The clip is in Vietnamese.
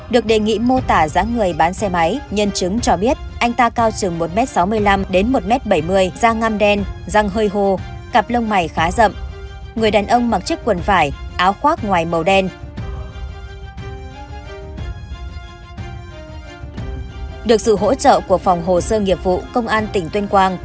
được sự hỗ trợ của phòng hồ sơ nghiệp vụ công an tỉnh tuyên quang